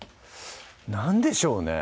何でしょうね